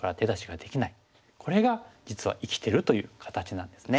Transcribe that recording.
これが実は生きてるという形なんですね。